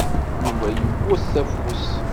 Yuba yewwet afus.